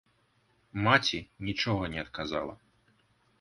Маці нічога не адказала.